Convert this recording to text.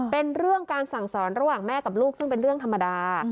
เป็นเรื่องการสั่งสอนระหว่างแม่กับลูกซึ่งเป็นเรื่องธรรมดา